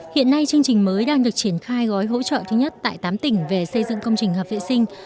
hiện nay chương trình mới đang được triển khai gói hỗ trợ thứ nhất tại tám tỉnh về xây dựng công trình hợp vệ sinh